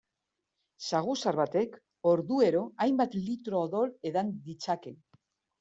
Saguzar batek orduero hainbat litro odol edan ditzake.